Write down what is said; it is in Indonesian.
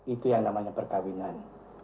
itu yang namanya perkawinan